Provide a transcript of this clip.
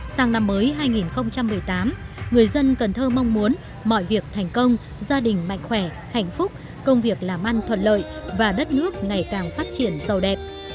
sang năm mới hai nghìn một mươi tám người dân cần thơ mong muốn mọi việc thành công gia đình mạnh khỏe hạnh phúc công việc làm ăn thuận lợi và đất nước ngày càng phát triển sâu đẹp